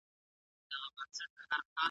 اورخونه کي اور بل دی مګر پخلی نه کیږي.